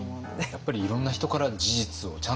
やっぱりいろんな人から事実をちゃんと聞く。